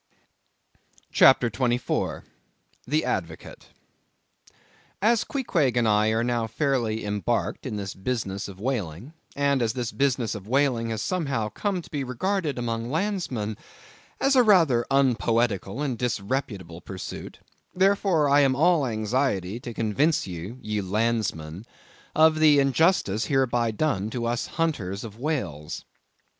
CHAPTER 24. The Advocate. As Queequeg and I are now fairly embarked in this business of whaling; and as this business of whaling has somehow come to be regarded among landsmen as a rather unpoetical and disreputable pursuit; therefore, I am all anxiety to convince ye, ye landsmen, of the injustice hereby done to us hunters of whales.